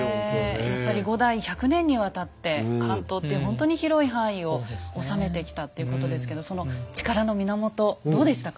やっぱり５代１００年にわたって関東っていうほんとに広い範囲を治めてきたっていうことですけどその力の源どうでしたか？